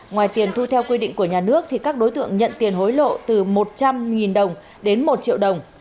ngoài tiền thu theo quy định của nhà nước thì các đối tượng nhận tiền hối lộ từ một trăm linh đồng đến một triệu đồng